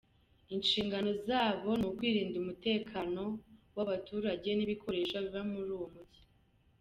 Inshingano zabo ni ukurinda umutekano w’abaturage n’ibikoresho biba muri uyo mujyi”.